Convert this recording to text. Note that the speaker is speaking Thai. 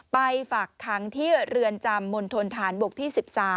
ไปฝากขังที่เรือนจำมณฑนฐานบกที่๑๓